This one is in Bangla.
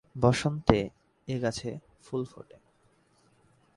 বসন্তে এ গাছে ফুল ফোটে।